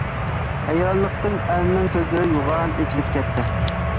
ھەيرانلىقتىن ئەرنىڭ كۆزلىرى يوغان ئىچىلىپ كەتتى.